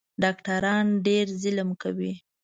ډاکټران ډېر ظلم کوي